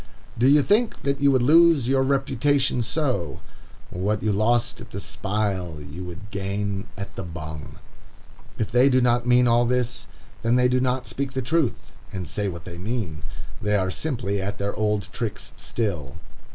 Do you think that you would lose your reputation so? What you lost at the spile, you would gain at the bung. If they do not mean all this, then they do not speak the truth, and say what they mean. They are simply at their old tricks still.